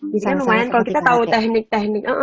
jadi kan lumayan kalau kita tahu teknik teknik